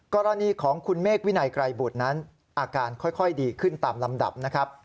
กรณีของคุณเมฆวินัยไกรบุตรนั้นอาการค่อยดีขึ้นตามลำดับนะครับ